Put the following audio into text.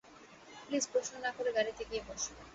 Please প্রশ্ন না করে গাড়িতে গিয়ে বসো।